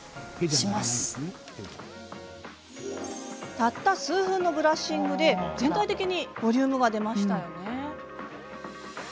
たった数分のブラッシングで全体的にボリュームが出ましたよね。